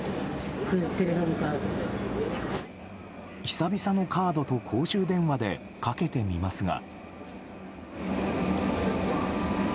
久々のカードと公衆電話でかけてみますが。